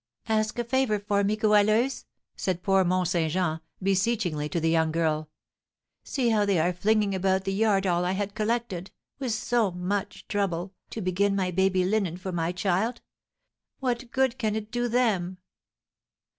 "Ask a favour for me, Goualeuse," said poor Mont Saint Jean, beseechingly, to the young girl; "see how they are flinging about the yard all I had collected, with so much trouble, to begin my baby linen for my child. What good can it do them?"